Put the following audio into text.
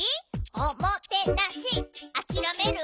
おもてなしあきらめる？